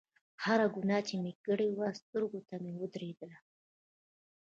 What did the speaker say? هره ګناه چې مې کړې وه سترګو ته مې ودرېدله.